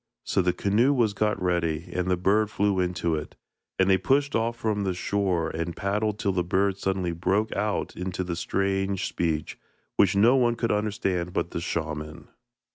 So the canoe was got ready, and the bird flew into it, and they pushed off from the shore, and paddled till the bird suddenly broke out into the strange speech, which no one could understand but the shaman.